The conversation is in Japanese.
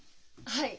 はい。